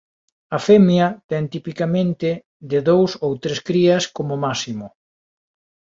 A femia ten tipicamente de dous ou tres crías como máximo.